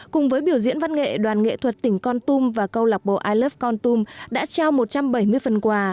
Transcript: cùng với biểu diễn văn nghệ đoàn nghệ thuật tỉnh con tum và câu lạc bộ ilov con tum đã trao một trăm bảy mươi phần quà